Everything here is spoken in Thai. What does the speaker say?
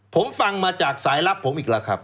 ผมฟังมาจากสายลับผมอีกแล้วครับ